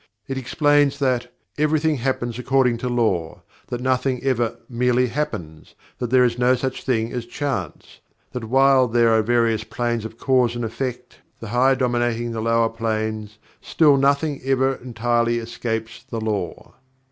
It explains that: "Everything Happens according to Law"; that nothing ever "merely happens"; that there is no such thing as Chance; that while there are various planes of Cause and Effect, the higher dominating the lower planes, still nothing ever entirely escapes the Law.